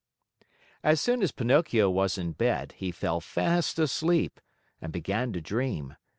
As soon as Pinocchio was in bed, he fell fast asleep and began to dream.